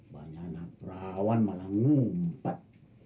banyak anak rawan malah ngumpet